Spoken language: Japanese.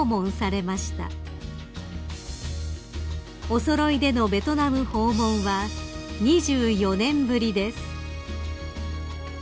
［お揃いでのベトナム訪問は２４年ぶりです］